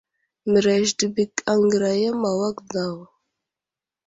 Mərəz təbək aŋgəraya ma awak daw.